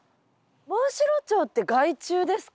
モンシロチョウって害虫ですか？